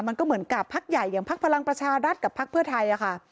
มันก็เหมือนกับพักใหญ่อย่างพักพลังประชารัฐกับพักเพื่อไทยค่ะ